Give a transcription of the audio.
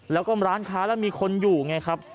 แล้วก็ร้านค้าแล้วมีคนอยู่ไงครับ